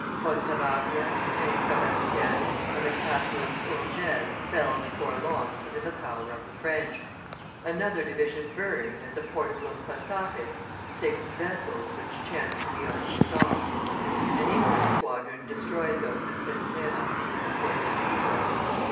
Fontarabia, St. Sebastian, and the Castle of Urgel fell before long into the power of the French; another division burned, at the port of Los Pasages, six vessels which chanced to be on the stocks; an English squadron destroyed those at Centera and in the port of Vigo.